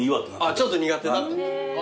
ちょっと苦手だったんだ。